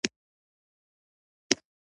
تېر کال احسان الله خان یو کتاب لیکلی و